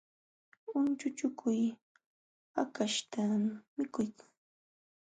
Unchuchukuy hakaśhta mikuykan